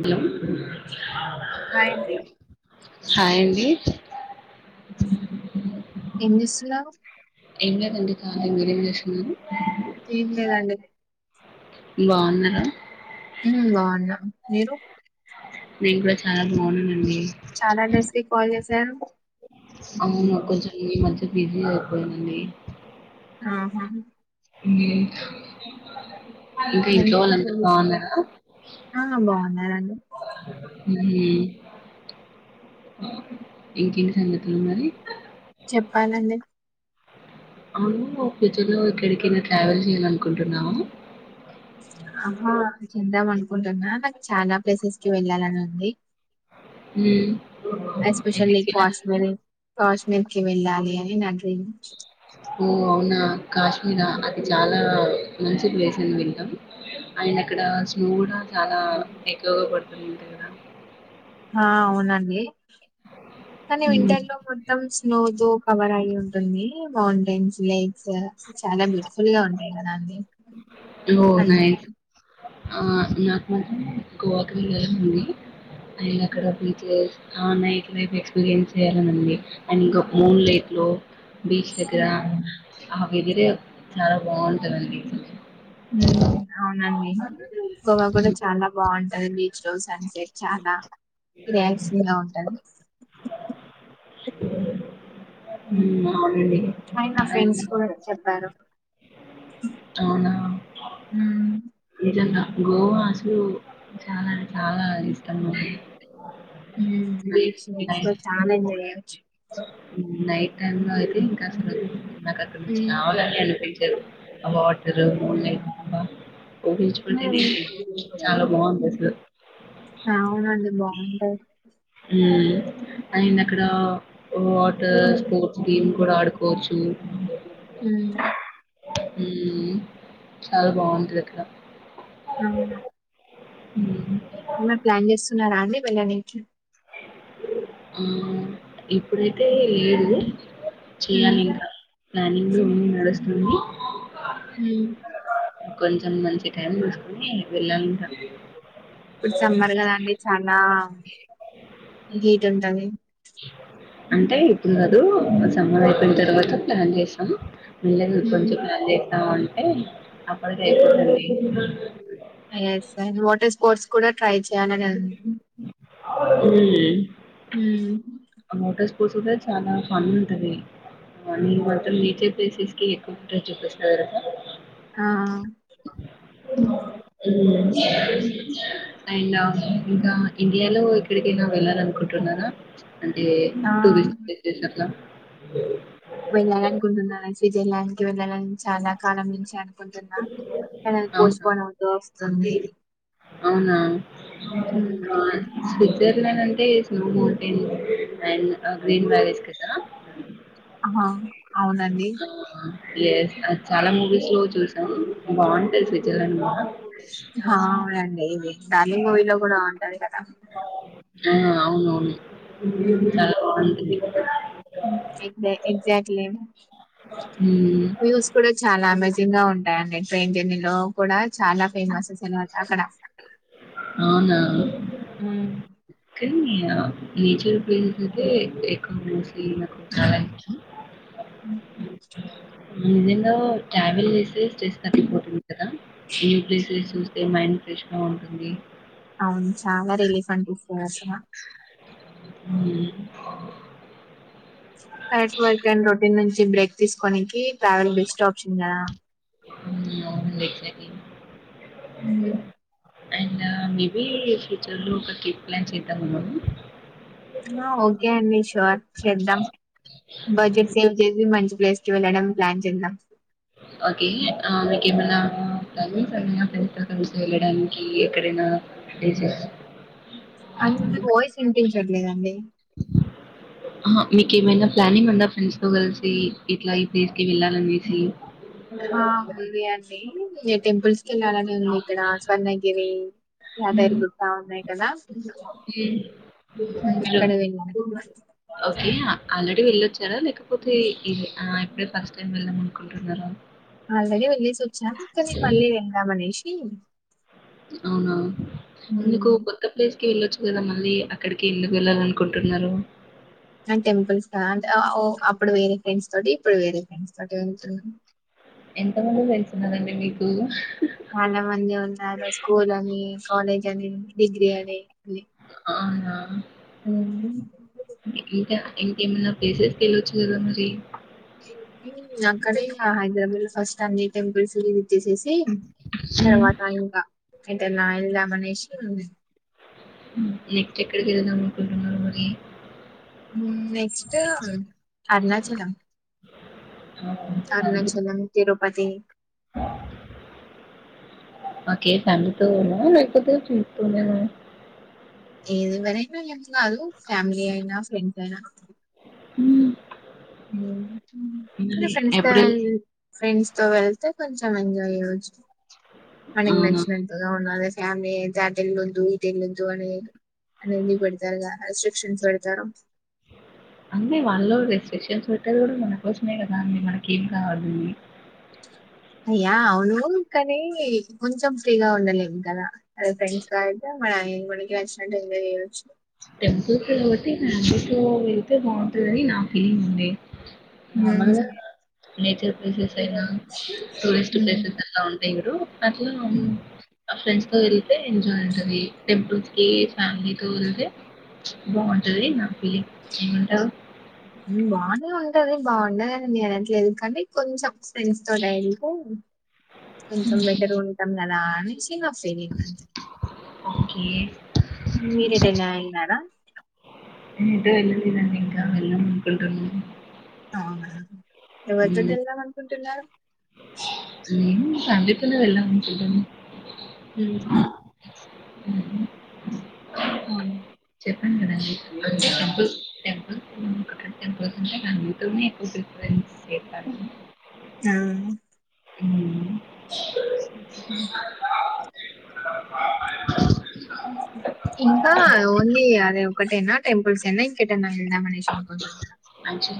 ము్యం hi అండి hi అండి ఏం చేస్తున్నారు ఏం లేదండి కాళీ మీరేం చేసున్నారు? ఏం లేదండి బావున్నారా? ఊమ్ బావున్న మీరు? నేను కూడా చాలా బావున్నానండి. చాలా డేస్ కి కాల్ చేశారు అవును కొంచెం ఈ మధ్య బిజీ అయిపోయానండి. ఆహ హుమ్ హుమ్ ఎందుకు రోజు ఆ బావున్నారండి. హుమ్ ఇంకేంటి సంగతులు మరి? చెప్పాలండి. అవును ఫ్యూచర్ లో ఎక్కడికైనా ట్రావెల్ చేయ్యాలనుకుంటున్నావా? ఆహ చేద్దాం అనుకుంటున్నా కానీ చాల ప్లేసెస్ కి వెళ్ళాలని ఉంది. ఉమ్, ఎస్పెషల్లీ ఎక్కడికి వెళ్ళాలండి కాశ్మీరీ కాశ్మీర్కి వెళ్ళాలి అని ఇన్ అడ్వెంచ్ ఓ అవునా అక్క అయినా అది చాలా మంచి ప్లేస్ అని విన్ డం అండ్ అక్కడ స్నో గూడా చాలా ఎక్కువగా పడుతుంది కదా హా అవునండి కానీ వింటర్ లో మొత్తం స్నో జో కవర్ అయి ఉం టుంది మౌంటైన్స్ లేక్స్ చాలా బ్యూటిఫుల్ గా ఉంటాయి గదా అండి ఓ అందుకే నైస్ ఆ నాకు గోవాకి వెళ్ళాలని ఉంది పైగా అక్కడ బీచెస్ ఆ నైట్ లైఫ్ ఎక్స్పీరియన్స్ చేయ్యాలనుంది. అండ్ ఇంకా మూన్ లైట్ లో బీచ్ దగ్గర ఉమ్ ఆ వెదరే చాలా బావుంటదండి. హుమ్ అవునండి గోవా కూడా చాలా బావుంటది. బీచ్ లో సన్ సెట్ చాలా రిలాక్సిం గా ఉంటది. ఉమ్ అవునండి అని నా ఫ్రెండ్స్ అయినా కూడా చెప్పారు అవునా నిజంగా గోవా అసలు చాలా చాలా ఇష్టము. హుమ్ బీచ్ బీచ్ లో చాల ఎంజాయ్ చేయొచ్చు. నైట్ టై లో అయితే ఇంకా అసలు నాకు అక్కడ నుంచి ఉమ్, కావాలని అనిపించారు అ వాటరు మ మ బాగుంది అసలు. అవునండి బాగుంటయి అయిండ్ అక్కడ వాటర్ స్పోర్ట్స్ గేమ్ కూడా ఆడుకోవచ్చు ఉమ్, చాలా బాగుంటది అక్కడ ఆ ఉ ప్లాన్ చేస్తున్నారా అండి వెళ్ళ నుంచి ఆ ఇప్పుడైతే ఏదు చేయాలి ఇంకా ప్లానింగ్ నడుస్తుంది హ కొంచెం మంచి టైం తీూసుకుని వెళ్ళాలంటా ఇప్పుడు చెమ్మర్ గదా అండి చాలా, హీట్ ఉంటది. అంటే ఇప్పుడు కాదు సమ్మర్ అయిపోయిన తర్వాత ప్లాన్ చేసాము ను్ కొంచెం ప్లాన్ చేస్తావు అంటే అప్పుడు కేకుడి స్ర్ట్స్ కూడా ట్రై కన మ్మ్. కూసు కూడా చాలా ఫన్ ఉంటది నరు కొత నేచర్ ప్లేసెస్ కేక రజుకృష్ణ గ ఆ హ్మ్ ఇకనౌ ఇడియాలో ఇక్కడికైనా వెళ్ళాల అనుకుంటున్నానా అంటే ఆ టూరిస్ట్ పస్ేష అట్లా చేయడానికి వెళ్ళాల చాలా కాలం నుంచి అనుకుంటున్నా అవునా పోస్కోని అవుతూ వస్తుంది అవునా ఉమ్. స్విట్జర్లాండ్ అంటే మౌన్ అండ్ గ్రీన్ వాల ఆ అవునండి స్ అ చాలా మూవీస్ లో చూసాను బాగుంటది స్విట్జర్లాండ్ కూడా ా రండి ఇది డలింగ వల గుణ అవును అవును ఎజెక్ట్లీ హ్మ్. వ్యూస్ కూడా చాలా అమేజింగ్ గా ఉంట ట్రైన్ జర్నీ లో కూడా చాలా ఫేమస్ అ స అవునా ఉమ్. నేచర్ ప్లేసెస్ అయితే ఎ అ కుచాల హాయ్ నిజంగా ట్రావెల్ చేసే స్టేస్ తగ్కిపోతుంది కదా న్యూ ప్లేసె అే మైండ్ ఫ్రెష్గా ఉంటుంది అవును చాలా రిలీఫ్ అంట తీసుకోయాసరా ఆ కరెక్ట్ వర్క్ అండ్ రొటీన్ నుంచి బ్రేక్ తీసుకోనికి ట్రావెల్ బెస్ట్ ఆప్షన్గా హ్మ్. అవునండి. ఎగ్జాక్ట్‌లీ. అండ్ మేబి ఫ్యూచర్ లో ఒక ట్రిప్ ప్లాన్ చేద్దాము ఉన్నాను ఓకే అండి షూర్ చేద్దాం బడ్జెట్ సేవ్ చేసి మంచి ప్లేస్కి వెళ్ళడం ప్లాన్ చేం ఓకే ఆ మీకేమైనా క వెళ్ళడానికి ఎక్కడ [unintelligible] అ మీ వాయిస్ వినిపించట్లేదండి అమ్మా మీకు ఏమైనా ప్లానింగ్ ఉందా ఫ్రెండ్స్ తో కలిసి ఇట్లా దేసుకి వెళ్ళాలనిసులు ఉంది అండి టెంపుల్స్ కి వెళ్ళాలనే ఉంది ఇక్కడ స్వర్ణగిరి దైరి గుతా ఉన్నాయి కదా ఉమ్ అక్కడ వెళ్ళాం ఓకేనా ఆల్రెడీ వెళ్ళొచ్చారా లేకపోతే ఇప్పుడే ఫస్ట్ టైం వెళ్ళాం అనుకుంటున్నారా ఆల్రెడీ వెళ్ళేసి వచ్చాం కానీ మళ్ళీ వెళ్దాం అనేసి అవునా ఏందుకు ఉమ్ కొత్త ప్లేస్ వెళ్ళొచ్చు కదా మళ్ళీ అక్కడికి ఎందుకు వెళ్ళాలి అనుకుంటున్నారు అ టెంపుల్స్ కద అంటేఓ అప్పుడు వేరే ఫ్రెండ్స్ తోటి ఇప్పుడు వేరే ఫ్రెండ్స్ తోటి వెళ్తున్నా ఎంతమంది తెలిసినదండి మీకు చాలా మంది ఉన్నారు స్కూల్ అని కాలేజ్ అని డిగ్రీ అని అవునా హ్మ్మ్ ఇంకేమైన్నా ప్లేసెస్కి వెళ్ళొచ్చు కదా మరి ఆక్కడే హైదరాబాద్ లో ఫస్ట్ టైమ్ టెంపల్స్ వచ్చేసేసి తర్వాత ఇంకా అంట నా వెళ్దామ అనేసి హ్మ్మ్ ఎక్కి ఎక్కడ తిరుగుదామనుకుంటున్నారు మరి అరుణాచలం ఆ, family Arunachalam Tirupati okay friend తోనా లేక పోతే చూ ఏది మరి ఫ్యామిలీ అయినా ఫ్రెండ్స్ అయినా కానీ మరి ఫ్రెండ్స్ తో ఏప్రిల్ ఫ్రెండ్స్ తో వెళ్తే కొంచెం ఎంజాయ్ చేయచ్చు మనకి అవునా నచ్చినట్టుగా ఉండాలి ఆమె [unintelligible] అనేది పెడతారు కద రెస్ట్రిక్షన్స్ పెడతారు అంటే వాళ్ళు రెస్ట్రిక్షన్స్ పెట్టేది కూడా మనకోసమే కదా అండి మనక ఏం కాదు అయ్యా అవును కానీ కొంచెం ఫ్రీగా ఉండలేము కదా అదే ఫ్రెండ్స్ తో ఐతే మన మనకి నచ్చిన నట్టు ఎంజాయ్ చేయచ్చు టెంపుల్స్ కాబట్టి కుటుంబం తో వెళ్తే బాగుంటుందని నా ఫీలింగ్ ఉంది నా వల్లా కాదు నేచర్ ప్లేసెస్ అయినా టూరిస్ట్ ఉమ్. ప్లేసెస్ ఎ ఉ మీరు అట్లా ఆ ఫ్రెండ్స్ తో వె ఎంజాయ్ ఉంటది టెంపుల్ కి ఫ్యామిలీ తో వెళ్తే బాగుంటది నా ఫీలింగ్ ఏమంటావు బాగానే ఉంటది బాగుండదడి నేనట్లేదు కానీ కొంచెం ఫ్రెండ్స్ తో గాని అయితే నీకు కొంచెం బెటర్ ఉంటాం కదా అని కింగ్ ఆఫ్ సవింగ్లండ్ ఓకే మీరేటైనా ఎల్లినారా ఎటూ వెళ్లలేదండి ఇంకా వెళ్లాలనుకుంటున్నాం అవునా మరి అటు ఎలావెళ్ళాలి అనుకుంటున్నారు హ్మ్మ్ [unintelligible] వెళ్లాలనుకుంటున్నాం ఉహూ ఉహూ అవును చెప్పం కదండి [unintelligible] [unintelligible] హ్మ్ అ ఊ ఇంకా ఓన్లీ అదే ఒక్కటేనా టెంపుల్స్ ఏనా ఇంకటేన్నా వెళ్దా మనేష్ అంచి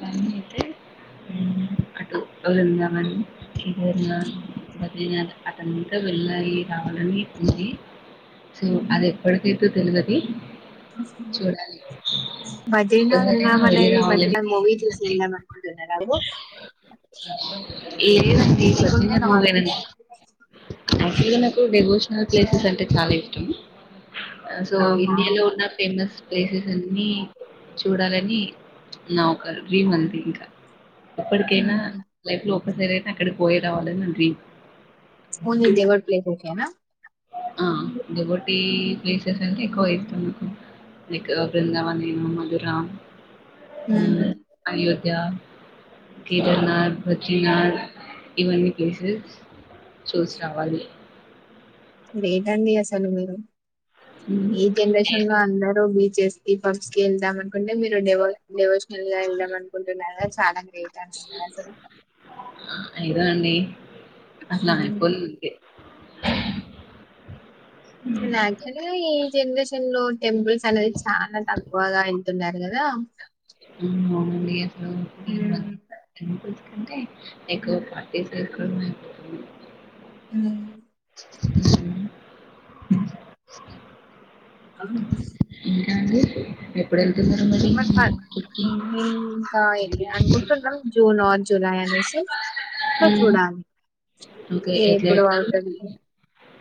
హ హా ంగవ ఇదిన్నా పోతే అతనికా వెళ్ళాలయి కావాలని పూజి సో అది ఎప్పడిక్కైద్దో తెల్వది. మాద్ దిన ఒక్కసారైనా విణం వెళ్ళి అనేవి ఈ రావాలని మధ్యలో మూవీ చూసి ఉన్నది ళ్దాం అనుకుంటున్నారండి. లేదండి మీకుంద నవప్ అయితే నాకు డివోషనల్ ప్లే స్ అంటే చాలా ఇష్టం సో ఆహా ఇండియాలో ఉన్న ఫేమస్ ప్లేసెస్ అన్ని చూడాలని నా ఒక డ్రీమ్ అంతే ఇంకా ఎప్పటికైనా లైఫ్ లో ఒక్కసారైనా అక్కడి పోయేరావాలని డ్రిం ఓన్లీ డివోషనల్ ప్లేసేసేనా ఆ డివోటి ప్లేసెస్ అ ఎక్కువ ఇష్టం నాకు ఇక్కడికి వరుకు వెళ్దాం అని నేను మధురా హ్మ్ అయోధ్యా కేదారనాథ్ బద్రీనాథ్ ఇవన్నీ ప్లేసెస్ చూసి రావాలి. గ్రేటండి అసలు మీరు హ్మ్. ఏ జనరేషన్ లో అందర్ చేస కి పబ్బ్ కి వెళ్దాం అనుకుంటే మీరు డివో డివోషన్ ల్ వెళ్దం అనుకుంటున్నారా చాలా గ్రేట్ అండి మీరసలు. డి అట్లనకుళ్ళీ ఊకే. యాక్చ్వల్లి జనరేషన్ లో టెంపుల్స్ అనేది చానా తక్కువగా వెళ్తున్నారు కదా. ఏమో అండి హ్మ్ అంటే ఎక్కువ పార్టీస్ కే అయిపో హ్మ్ సు క్ హా క్ ఆ టాంజెస్ ఎప్పుడెళ్తున్నారు మరి ట్రిప్‌కి? ఇంత ఇలి అనుకుంటున్నా జూన్ ఆర్ జులై అనేసి అ హ్మ్. చూడాలి ఓకే. ఎట్లా ఎప్పుడు ఎళ్తారు అవుతది. మరి?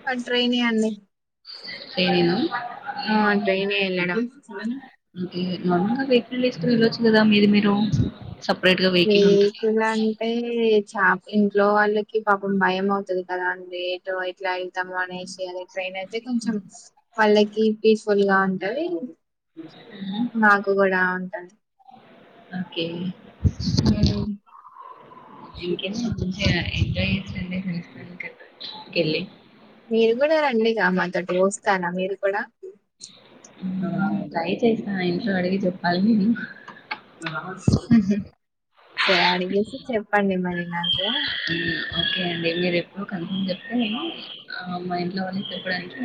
ఆ ట్రైన్ అండి ట్రైనేనా? ఆ ట్రైన్ లోనే వెళ్ళడం ఏ నా లిఫ్ట్ లాస్ట్‌లో వెళ్ళోచ్చు కదా మీది మీర్ మీకు అంటే చా ఇంట్లో వాళ్ళకి పాపం భయం అవుతది కదా అండి ఏటో వై ఎట్లా వెళ్తాము అనేసి అనే ట్రైన్ అయితే కొంచెం వాళ్ళకి పీస్ఫుల్ గా ఉంటది. హ్మ్. మాకు కూడా ఉంటాయి. ఓకే హ్మ్ [inaudible] మీరు కూడా రండి గ మాతోటి వస్తార మీరు కూడా హ్మ్ ట్రై చేస్తా ఇంట్లో అడిగి చెప్పాలి నేను. సరే అడిగేసి చెప్పండి మరి నాకు. ఓకే అండి మీరు ఎప్పుడు కన్ఫామ్ చెప్తే నేను ఆ మా ఇంట్లో వాళ్ళకి చెప్పడానికి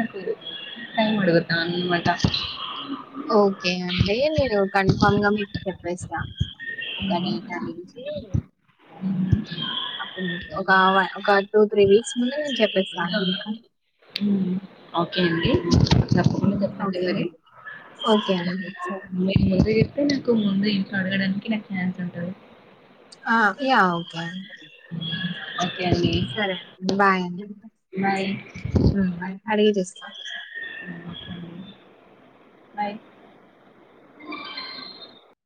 టైమ్ అడుగుదన్నమాట. ఓకే అండి మీరు గా మీకు చెప్పేసరా ఒక నీటా నుంచి ఒక ఒక టూ త్రీ వీక్స్ ముందు నేను చెప్పేసాను. ఓకే అండి తప్పకుండా హ్మ్. చెప్పండి ఓకే. మరి ఓకే అండి. సరే. మీకు ముందు చెపితే నాకు ముందు ఇంట్లో అడగడానికి నాకు ఛాన్స్ ఉంటది. ఆ యా ఓకే ఓకే అండి. సరే అండి బాయ్ అండి బాయ్. బాయ్ అడిగి చేస్తా నయి అ